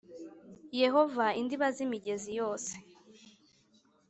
Yehova indiba z imigezi yose